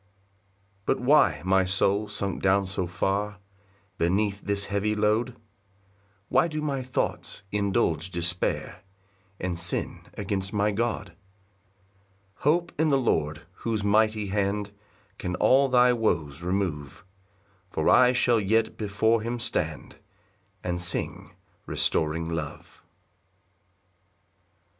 5 But why, my soul, sunk down so far Beneath this heavy load? Why do my thoughts indulge despair, And sin against my God? 6 Hope in the Lord, whose mighty hand Can all thy woes remove; For I shall yet before him stand, And sing restoring love.